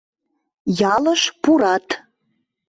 Ялыш пурат.